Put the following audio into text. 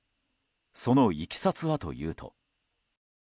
そのいきさつはというと。